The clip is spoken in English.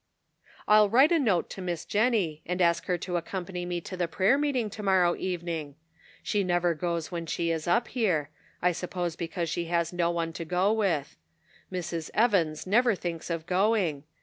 " I'll write a note to Miss Jennie and ask her to accompany me to the prayer meeting to 182 .The Pocket Measure. morrow evening. She never goes when she is up here ; I suppose because she has no one to go with. Mrs. Evans never thinks of going.